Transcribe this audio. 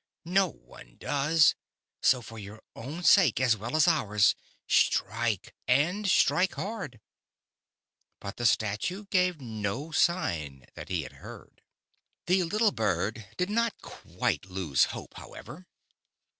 No one does. So for your own sake, as well as ours, strike, and strike hard." But the Statue gave no sign that he had heard. i8o The Statue and the Birds. The little Bird did not quite lose hope, how ever.